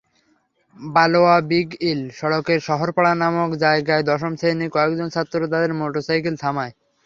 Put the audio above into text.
বালোয়া-বিগইল সড়কের শহরপাড়া নামক জায়গায় দশম শ্রেণীর কয়েকজন ছাত্র তাঁদের মোটরসাইকেল থামায়।